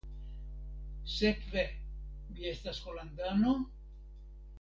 Sekve mi estas Holandano?